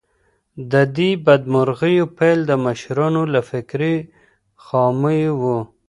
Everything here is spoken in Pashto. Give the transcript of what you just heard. د دې بدمرغيو پیل د مشرانو له فکري خامیو و.